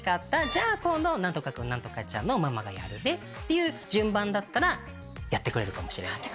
じゃあ今度何とか君何とかちゃんのママがやるね」。っていう順番だったらやってくれるかもしれないです。